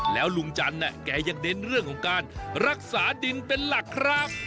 แล้วลุงจันทร์แกยังเน้นเรื่องของการรักษาดินเป็นหลักครับ